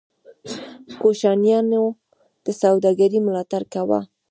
کوشانیانو د سوداګرۍ ملاتړ کاوه